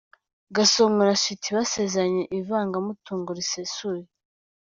Gasongo na Sweety basezeranye ivangamutungo risesuye.